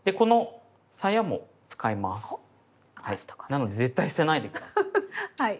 なので絶対捨てないで下さい。